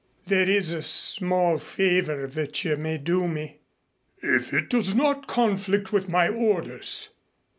There is a small favor that you may do me." "If it does not conflict with my orders."